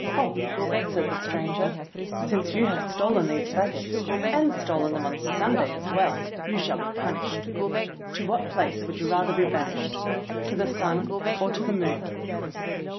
:'Old man," said the stranger, "since you have stolen these fagots, and stolen them on Sunday as well, you shall be punished. To what place would you rather be banished? To the Sun, or to the Moon?"